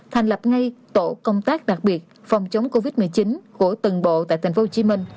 thành lập ngay tổ công tác đặc biệt phòng chống covid một mươi chín của từng bộ tại tp hcm